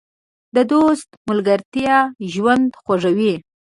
د دوست ملګرتیا ژوند خوږوي.